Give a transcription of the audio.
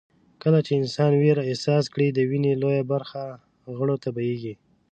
کله چې انسان وېره احساس کړي د وينې لويه برخه غړو ته بهېږي.